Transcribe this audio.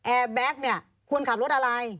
แอร์แบ็กซ์เนี่ยควรขาบรถอะไร